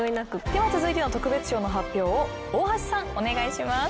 では続いての特別賞の発表を大橋さんお願いします。